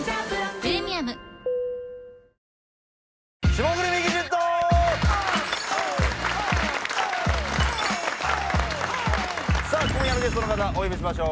「霜降りミキＸＩＴ」さあ今夜のゲストの方お呼びしましょう